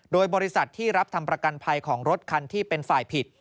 โดยบริษัทที่รับทำประกันภัยของรถคันที่เป็นฝ่ายผิด